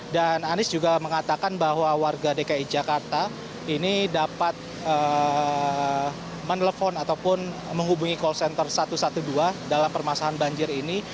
dan anies juga mengatakan bahwa warga dki jakarta ini dapat menelpon ataupun menghubungi call center satu ratus dua belas dalam permasalahan banjir ini